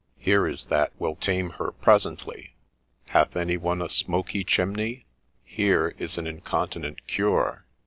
— here is that will tame her presently ! Hath any one a smoky chimney ?— here is an incontinent cure